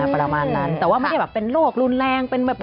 ประมาณนั้นแต่ว่าไม่ได้เป็นโรครุนแรง